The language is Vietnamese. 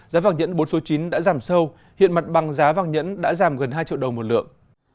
giá vàng nhẫn bốn số chín đã giảm sâu hiện mặt bằng giá vàng nhẫn đã giảm gần hai triệu đồng một lượng